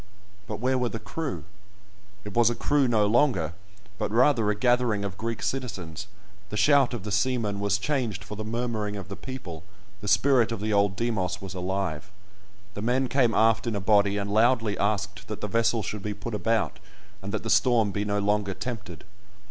But where were the crew? It was a crew no longer, but rather a gathering of Greek citizens; the shout of the seamen was changed for the murmuring of the people—the spirit of the old Demos was alive. The men came aft in a body, and loudly asked that the vessel should be put about, and that the storm be no longer tempted.